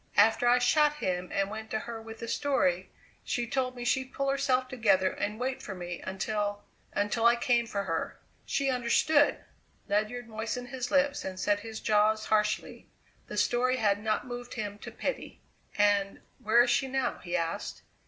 After I shot him and went to her with the story she told me she'd pull herself together and wait for me until until I came for her. She understood!" Ledyard moistened his lips and set his jaws harshly. The story had not moved him to pity. "And where is she now?" he asked.